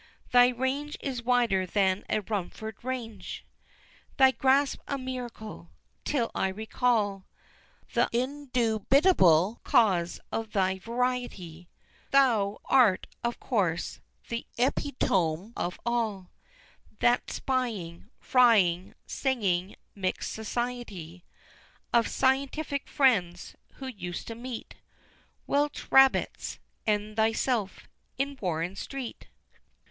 Thy range is wider than a Rumford Range! Thy grasp a miracle! till I recall Th' indubitable cause of thy variety Thou art, of course, th' Epitome of all That spying frying singing mix'd Society Of Scientific Friends, who used to meet Welch Rabbits and thyself in Warren Street!